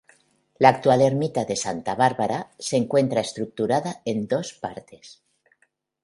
La actual ermita de Santa Bárbara se encuentra estructurada en dos partes.